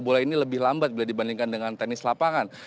bola ini lebih lambat bila dibandingkan dengan tenis lapangan